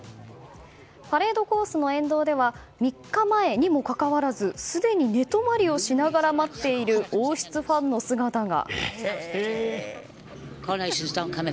パレードコースの沿道では３日前にもかかわらずすでに寝泊りをしながら待っている王室ファンの姿が。